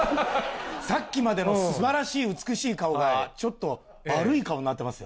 さっきまでのすばらしい、美しい顔が、ちょっと悪い顔になってますよ。